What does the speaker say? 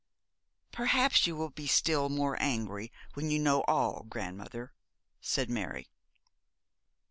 'Perhaps you will be still more angry when you know all, grandmother,' said Mary.